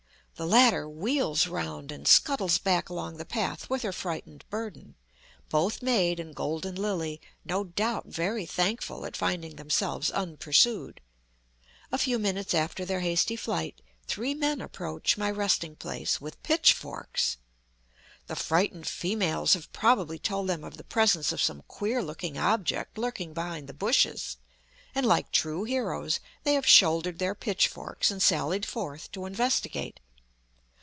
The latter wheels round and scuttles back along the path with her frightened burden, both maid and golden lily no doubt very thankful at finding themselves unpursued. A few minutes after their hasty flight, three men approach my resting place with pitchforks. The frightened females have probably told them of the presence of some queer looking object lurking behind the bushes, and like true heroes they have shouldered their pitchforks and sallied forth to investigate.